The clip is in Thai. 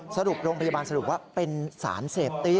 สรุปโรงพยาบาลสรุปว่าเป็นสารเสพติ